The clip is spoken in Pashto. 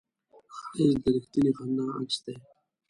ښایست د رښتینې خندا عکس دی